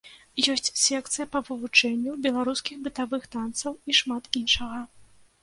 Ёсць секцыя па вывучэнню беларускіх бытавых танцаў і шмат іншага.